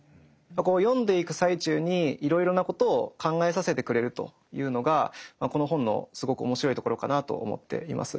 読んでいく最中にいろいろなことを考えさせてくれるというのがこの本のすごく面白いところかなと思っています。